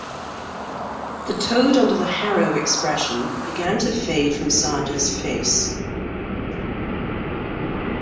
The toad-under-the-harrow expression began to fade from Sanders's face.